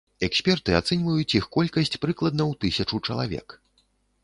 Эксперты ацэньваюць іх колькасць прыкладна ў тысячу чалавек.